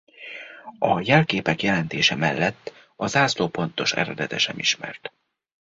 A jelképek jelentése mellett a zászló pontos eredete sem ismert.